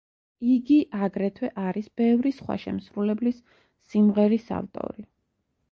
იგი აგრეთვე არის ბევრი სხვა შემსრულებლის სიმღერის ავტორი.